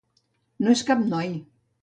No és cap noi.